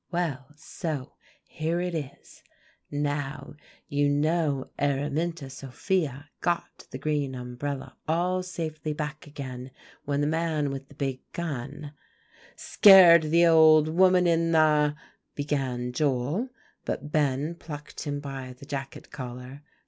"Well, so here it is. Now, you know Araminta Sophia got the green umbrella all safely back again when the man with the big gun" "Scared the old woman in the" began Joel, but Ben plucked him by the jacket collar.